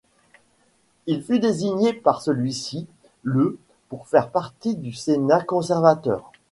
Il fut désigné par celui-ci le pour faire partie du Sénat conservateur.